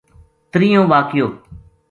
ترییوں واقعو